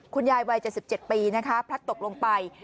วัย๗๗ปีนะคะพลัดตกลงไป